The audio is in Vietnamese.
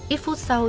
ít phút sau